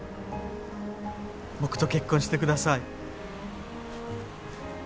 僕と結婚してください。